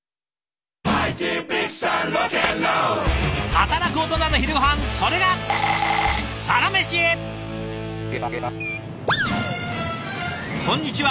働くオトナの昼ごはんそれがこんにちは。